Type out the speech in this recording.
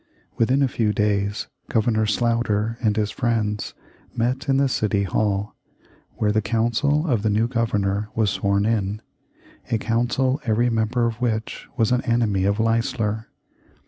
Within a few days Governor Sloughter and his friends met in the City Hall, where the council of the new Governor was sworn in a council every member of which was an enemy of Leisler.